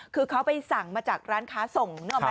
คือเขาไปสั่งมาจากร้านค้าส่ง